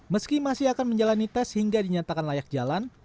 meski masih akan menjalani tes hingga dinyatakan layak jalan